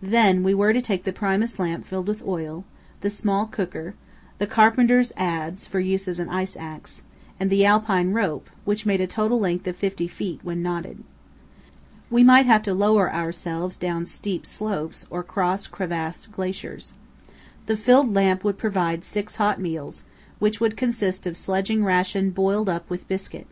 Then we were to take the Primus lamp filled with oil, the small cooker, the carpenter's adze (for use as an ice axe), and the alpine rope, which made a total length of fifty feet when knotted. We might have to lower ourselves down steep slopes or cross crevassed glaciers. The filled lamp would provide six hot meals, which would consist of sledging ration boiled up with biscuit.